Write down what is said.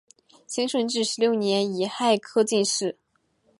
清顺治十六年己亥科进士。